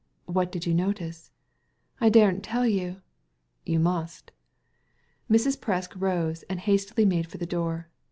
" What did you notice ?*•" I daren't tell you." "You must 1" Mrs. Presk rose and hastily made for the door.